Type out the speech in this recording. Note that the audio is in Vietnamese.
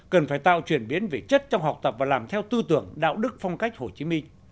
cần phải tạo chuyển biến về chất trong học tập và làm theo tư tưởng đạo đức phong cách hồ chí minh